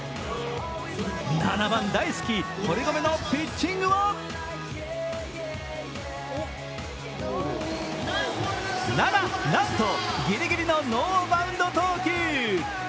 ７番大好き、堀米のピッチングはななな、なんとギリギリのノーバウンド投球。